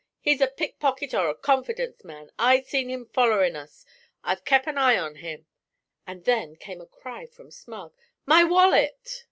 He's a pickpocket or a confidence man. I seen him follerin' us. I've kep' an eye on him.' And then came a cry from Smug. 'My wallet!'